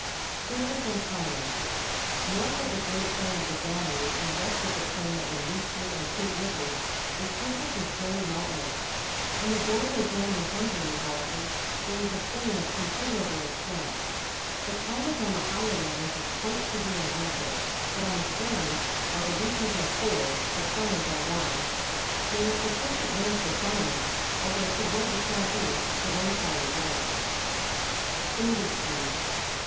Surface and Climate. — North of the great plain of the Danube and west of the plain of the Dniester and Pruth Rivers, the surface is very mountainous. On the border adjoining Hungary, however, there is a plain of con 194 PUBLIC SCHOOL GEOGRAPHY siderable extent. The climate on the higher levels is quite severe in winter, but on the plains, while the winters are cold, the sum mers are warm. There is sufficient rain for farming, although toward the south east the rainfall is light. Industries.